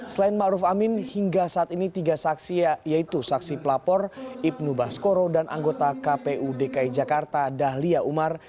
selain ⁇ maruf ⁇ amin hingga saat ini tiga saksi yaitu saksi pelapor ibnu baskoro dan anggota kpu dki jakarta dahlia umar